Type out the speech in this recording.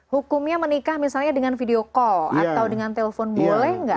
hukumnya menikah misalnya dengan video call atau dengan telpon boleh nggak